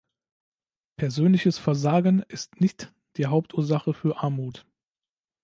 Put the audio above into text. Persönliches Versagen ist nicht die Hauptursache für Armut.